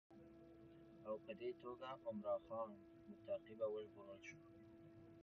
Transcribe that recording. او په دې توګه عمرا خان له تعقیبه وژغورل شو.